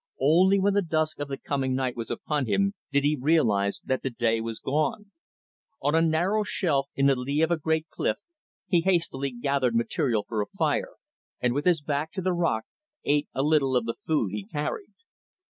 Only when the dusk of the coming night was upon him, did he realize that the day was gone. On a narrow shelf, in the lee of a great cliff, he hastily gathered material for a fire, and, with his back to the rock, ate a little of the food he carried.